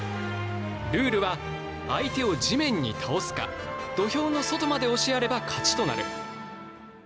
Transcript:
ルールは相手を地面に倒すか土俵の外まで押しやれば勝ちとなる。